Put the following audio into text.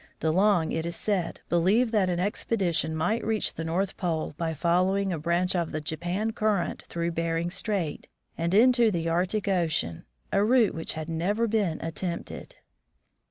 De Long, it is said, believed that an expedition might reach the North Pole by following a branch of the Japan Current through Bering strait and into the Arctic ocean, a route which had never been attempted.